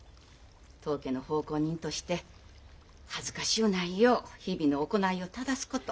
当家の奉公人として恥ずかしゅうないよう日々の行いを正すこと。